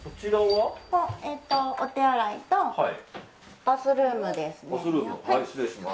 お手洗いとバスルームですね。